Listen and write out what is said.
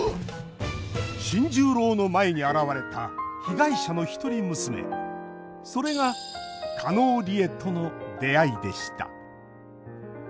新十郎の前に現れた被害者の一人娘それが加納梨江との出会いでした